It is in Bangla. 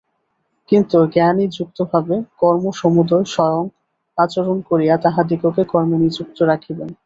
কিন্তু জ্ঞানী যুক্তভাবে কর্মসমুদয় স্বয়ং আচরণ করিয়া তাহাদিগকে কর্মে নিযুক্ত রাখিবেন।